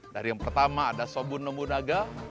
dari yang pertama ada sobun numbunaga